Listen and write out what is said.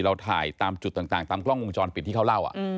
เราถ่ายตามจุดต่างตามกล้องวงจรปิดที่เขาเล่า